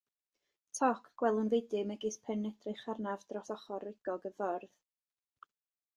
Toc gwelwn feudy megis pe'n edrych arnaf dros ochr rugog y ffordd.